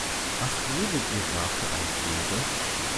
Was redet ihr da für einen Käse?